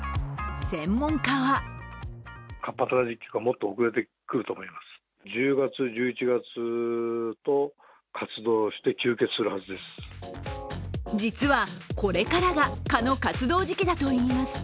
専門家は実はこれからが蚊の活動時期だといいます。